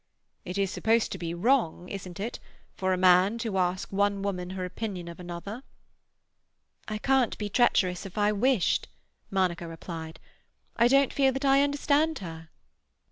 "It is supposed to be wrong—isn't it?—for a man to ask one woman her opinion of another." "I can't be treacherous if I wished," Monica replied. "I don't feel that I understand her."